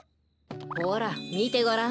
ほらみてごらん。